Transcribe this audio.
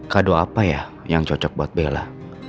kado apa ya yang cocok buat bella